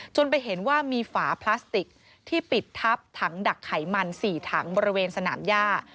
ไปเห็นว่ามีฝาพลาสติกที่ปิดทับถังดักไขมัน๔ถังบริเวณสนามย่า